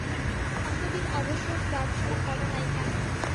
এতদিন অবসর প্রার্থনা কর নাই কেন?